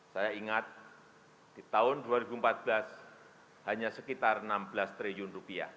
saya ingat di tahun dua ribu empat belas hanya sekitar rp enam belas triliun